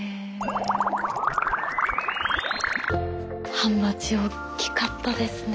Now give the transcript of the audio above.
ハマチおっきかったですね。